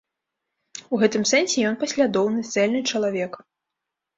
У гэтым сэнсе ён паслядоўны, цэльны чалавек.